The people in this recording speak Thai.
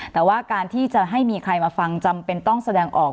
แต่ว่าการที่จะให้มีใครมาฟังจำเป็นต้องแสดงออก